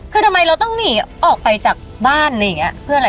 คือทำไมเราต้องหนีออกไปจากบ้านอะไรอย่างนี้เพื่ออะไร